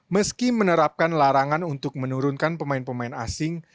meski menerapkan larangan untuk menurunkan pemain pemain asing